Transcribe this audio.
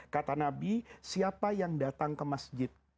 kata nabi siapa yang datang ke masjid